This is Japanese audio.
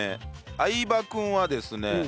相葉君はですね